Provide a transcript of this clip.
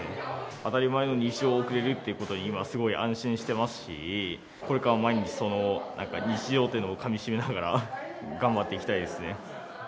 当たり前の日常を送れるってことに今、すごい安心してますし、これから毎日、日常というのをかみしめながら頑張っていきたいですね。